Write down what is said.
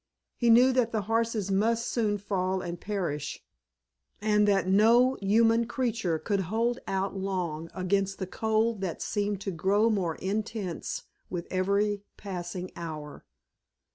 He knew that the horses must soon fall and perish, and that no human creature could hold out long against the cold that seemed to grow more intense with every passing hour.